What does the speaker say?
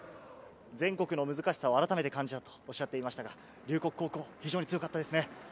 全国の難しさをあらためて感じたとおっしゃっていましたが、龍谷高校、非常に強かったですね。